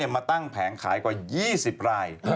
มาตั้งแผงขายกว่า๒๐ราย